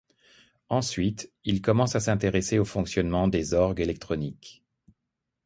Ensuite, il commence à s’intéresser au fonctionnement des orgues électroniques.